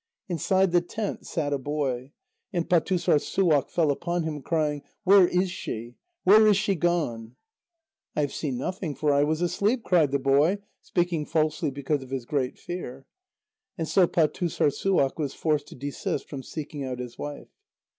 Inside the tent sat a boy, and Pâtussorssuaq fell upon him, crying: "Where is she? Where is she gone?" "I have seen nothing, for I was asleep," cried the boy, speaking falsely because of his great fear. And so Pâtussorssuaq was forced to desist from seeking out his wife.